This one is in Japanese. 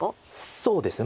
そうですね。